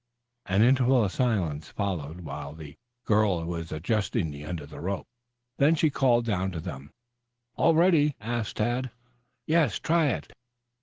An interval of silence followed while the girl was adjusting the end of the rope. Then she called down to them: "All ready?" asked Tad. "Yes, try it."